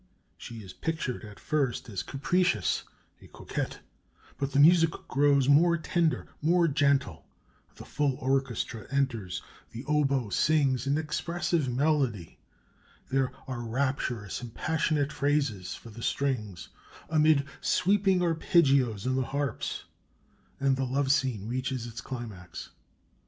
She is pictured at first as capricious a coquette; but the music grows more tender, more gentle; the full orchestra enters; the oboe sings an expressive melody; there are rapturous and passionate phrases for the strings amid sweeping arpeggios in the harps, and the love scene reaches its climax.